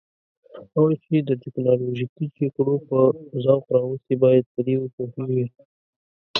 هغوی چې د تکنالوژیکي جګړو په ذوق راوستي باید په دې وپوهیږي.